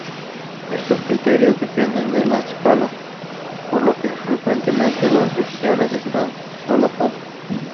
Estos criterios dependen de la escala, por lo que frecuentemente las regiones están solapadas.